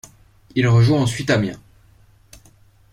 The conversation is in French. Il rejoint ensuite Amiens.